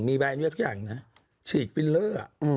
มีแบรนดี้ก็ทุกอย่างนะฉีดฟิลเลอร์อ่ะอืม